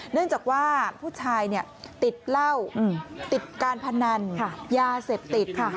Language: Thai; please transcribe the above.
เนื่องจากว่าผู้ชายติดเหล้าติดการพนันยาเสพติดค่ะ